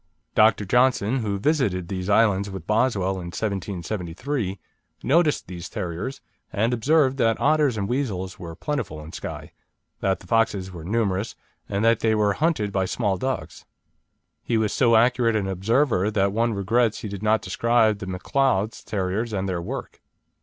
Dr. Johnson, who visited these islands with Boswell in 1773, noticed these terriers and observed that otters and weasels were plentiful in Skye, that the foxes were numerous, and that they were hunted by small dogs. He was so accurate an observer that one regrets he did not describe the Macleod's terriers and their work.